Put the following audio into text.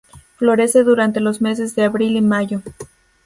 Florece durante los meses de abril y mayo.